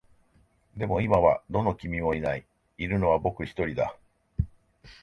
でも、今はどの君もいない。いるのは僕一人だ。